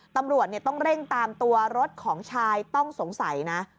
ตำรวจต้องเร่งตามตัวรถของชายต้องสงสัยนะ